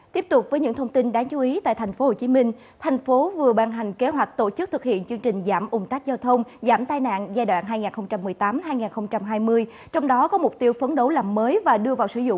tiếp tục với những thông tin đáng chú ý tại tp hcm thành phố vừa ban hành kế hoạch tổ chức thực hiện chương trình giảm ủng tác giao thông và đưa vào sử dụng gần năm mươi cây cầu